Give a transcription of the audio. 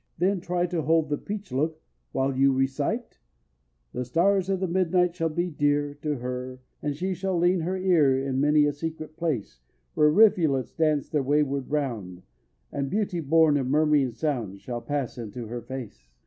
Then try to hold the "Peach" look while you recite: The stars of midnight shall be dear To her; and she shall lean her ear In many a secret place Where rivulets dance their wayward round And beauty born of murmuring sound _Shall pass into her face.